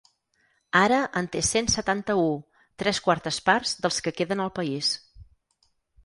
Ara en té cent setanta-u, tres quartes parts dels que queden al país.